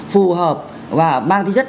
phù hợp và mang đi rất